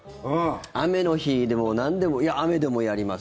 雨の日でもなんでもいや、雨でもやります